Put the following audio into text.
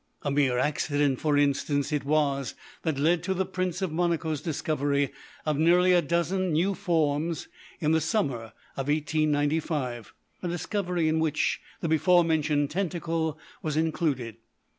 A mere accident, for instance, it was that led to the Prince of Monaco's discovery of nearly a dozen new forms in the summer of 1895, a discovery in which the before mentioned tentacle was included.